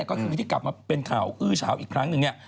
ก็คือที่กลับมาเป็นข่าวอื้อเฉาอีกครั้งหนึ่งเนี่ย